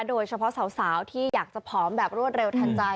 โดยเฉพาะสาวที่อยากจะผอมแบบรวดเร็วทันใจ